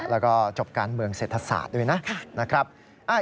แล้วก็จบการเมืองเศรษฐศาสตร์ด้วยนะครับ